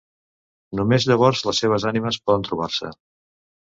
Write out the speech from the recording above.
Només llavors les seves ànimes poden trobar-se.